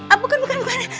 ah bukan bukan bukan